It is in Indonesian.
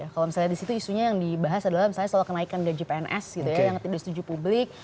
kalau misalnya di situ isunya yang dibahas adalah misalnya soal kenaikan gaji pns gitu ya yang tidak setuju publik